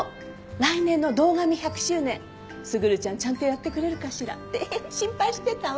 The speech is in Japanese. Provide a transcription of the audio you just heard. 来年の堂上１００周年卓ちゃんちゃんとやってくれるかしらって心配してたわ。